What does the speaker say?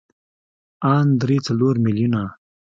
ان درې څلور ميليونه.